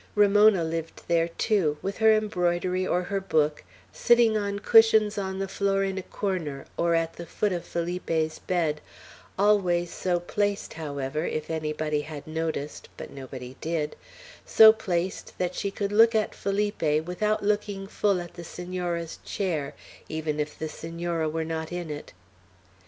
Ramona lived there too, with her embroidery or her book, sitting on cushions on the floor in a corner, or at the foot of Felipe's bed, always so placed, however, if anybody had noticed, but nobody did, so placed that she could look at Felipe without looking full at the Senora's chair, even if the Senora were not in it.